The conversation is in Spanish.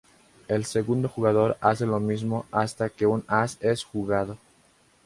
El segundo jugador hace lo mismo hasta que un as es jugado.